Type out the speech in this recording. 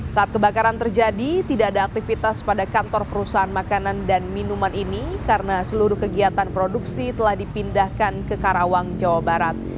saat kebakaran terjadi tidak ada aktivitas pada kantor perusahaan makanan dan minuman ini karena seluruh kegiatan produksi telah dipindahkan ke karawang jawa barat